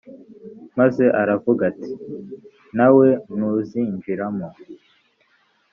maze aravuga ati «nawe ntuzinjiramo!